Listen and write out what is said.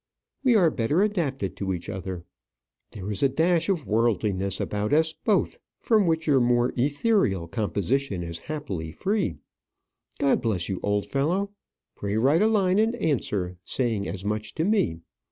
We are better adapted to each other. There is a dash of worldliness about us both from which your more ethereal composition is happily free. God bless you, old fellow. Pray write a line in answer, saying as much to me.